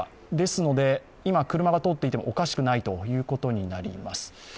ですので、今、車が通っていてもおかしくないことになります。